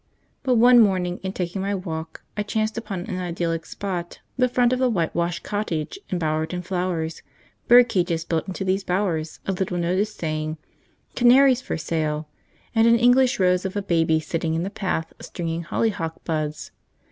But one morning, in taking my walk, I chanced upon an idyllic spot: the front of the whitewashed cottage embowered in flowers, bird cages built into these bowers, a little notice saying 'Canaries for Sale,' and an English rose of a baby sitting in the path stringing hollyhock buds.